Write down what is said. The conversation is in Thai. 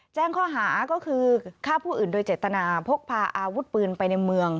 แจ้งข้อหาก็คือฆ่าผู้อื่นโดยเจตนาพกพาอาวุธปืนไปในเมือง